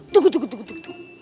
tunggu tunggu tunggu